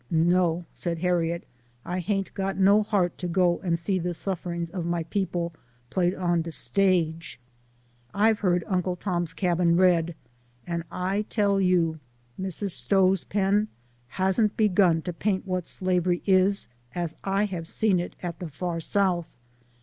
"No," said Harriet, " I haint got no heart to go and see the sufferings of my peo ple played 011 de stage. I've heard ' Uncle Tom's Cabin ' read, and I tell you Mrs Stowe's pen hasn't begun to paint what slavery is as I have seen it at the far South.